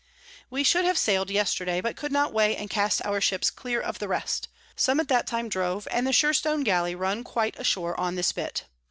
We should have sail'd yesterday, but could not weigh and cast our Ships clear of the rest; some at that time drove, and the Sherstone Gally run quite ashore on the Spit.